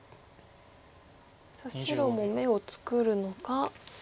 さあ白も眼を作るのか。